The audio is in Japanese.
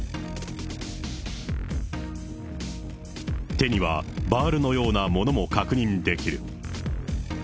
手にはバールのようなものも確認できる。